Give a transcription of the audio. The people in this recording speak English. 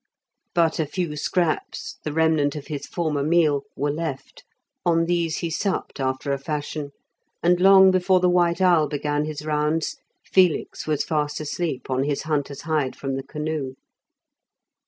But a few scraps, the remnant of his former meal, were left; on these he supped after a fashion, and long before the white owl began his rounds Felix was fast asleep on his hunter's hide from the canoe.